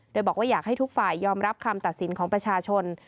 โดยบอกว่าอยากให้ทุกฝ่ายยอมรับคำตัดสินของประชาชน